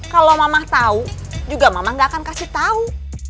kalau mama tau juga mama gak akan kasih tau